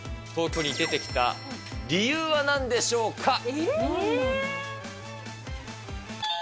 東京に出てきた理由はなんでしょうか。